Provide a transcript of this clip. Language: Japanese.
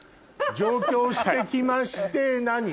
上京して来まして何？